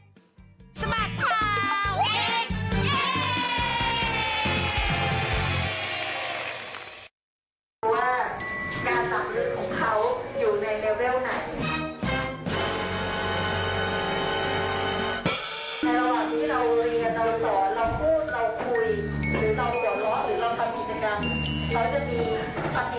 สมัครข่าวเด็ก